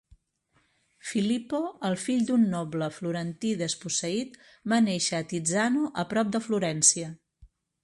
Filippo, el fill d'un noble florentí desposseït, va néixer a Tizzano, a prop de Florència.